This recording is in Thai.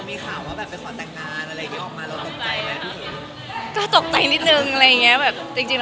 มีข่าวว่าไปขอแต่งนานอะไรอย่างเงี้ย